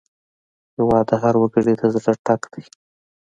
هېواد د هر وګړي د زړه ټک دی.